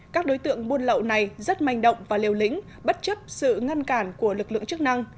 các đối tượng buôn lậu này rất manh động và liều lĩnh bất chấp sự ngăn cản của lực lượng chức năng